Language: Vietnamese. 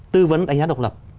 tư vấn đánh giá độc lập